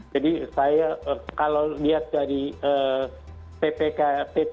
jadi saya kalau lihat dari ppkm